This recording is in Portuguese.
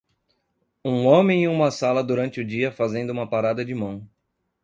Um homem em uma sala durante o dia fazendo uma parada de mão.